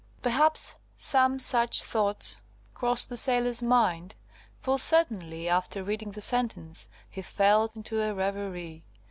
Perhaps some such thoughts crossed the sailor's mind, for certainly after reading the sentence, he fell into a reverie.